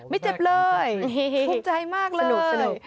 ไม่เจ็บเลยภูมิใจมากเลยภูมิใจมากเลย